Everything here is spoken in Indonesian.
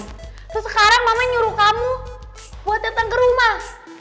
terus sekarang mama nyuruh kamu buat datang ke rumah